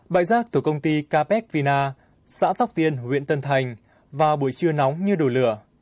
bãi rác tổ công ty capec vina xã tóc tiên huyện tân thành vào buổi trưa nóng như đổ lửa